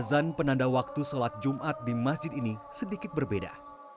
azan penanda waktu sholat jumat di masjid ini sedikit berbeda